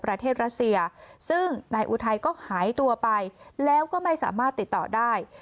ประเทศรัสเซียซึ่งนายอุทัยก็หายตัวไปแล้วก็ไม่สามารถติดต่อได้